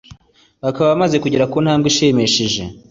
bakaba bamaze kugera ku ntambwe ishimishije